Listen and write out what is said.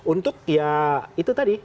untuk ya itu tadi